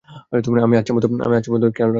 আমি আচ্ছামতো ওর খেয়াল রাখব।